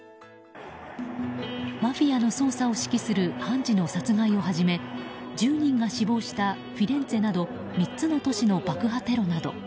マフィアの捜査を指揮する判事の殺害をはじめ１０人が死亡したフィレンツェなど３つの都市の爆破テロなど。